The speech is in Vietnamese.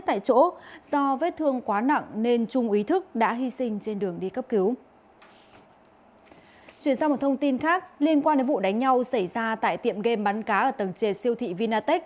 liên quan đến vụ đánh nhau xảy ra tại tiệm game bắn cá ở tầng trề siêu thị vinatech